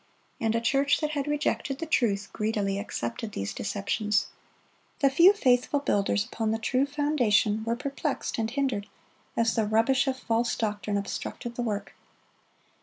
And a church that had rejected the truth, greedily accepted these deceptions.(84) The few faithful builders upon the true foundation(85) were perplexed and hindered, as the rubbish of false doctrine obstructed the work.